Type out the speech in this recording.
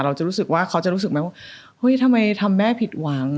รู้สึกว่าเขาจะรู้สึกไหมว่าเฮ้ยทำไมทำแม่ผิดหวัง